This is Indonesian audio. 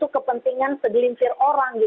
kepentingan segelintir orang